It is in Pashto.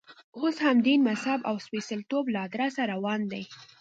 اوس هم دین، مذهب او سپېڅلتوب له ادرسه روان دی.